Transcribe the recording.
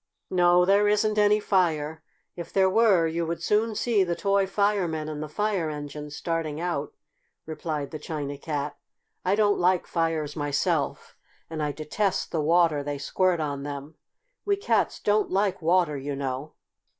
"No, there isn't any fire. If there were you would soon see the toy Fireman and the Fire Engine starting out," replied the China Cat. "I don't like fires myself, and I detest the water they squirt on them. We cats don't like water, you know."